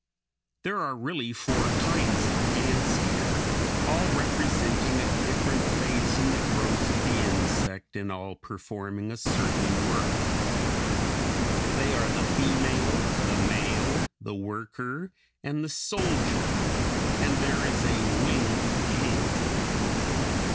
There are really four kinds of "ants" here, all representing a different phase in the growth of the insect, and all performing a certain work. They are the female, the male, the worker, and the soldier; and there is a winged king.